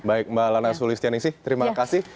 baik mbak lana sulis tjaningsih terima kasih